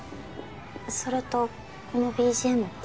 それとこのＢＧＭって？